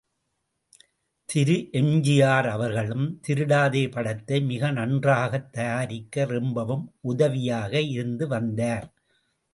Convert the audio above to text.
திரு எம்.ஜி.ஆர். அவர்களும் திருடாதே படத்தை மிக நன்றாகத் தயாரிக்க ரொம்பவும் உதவியாக இருந்து வந்தார்.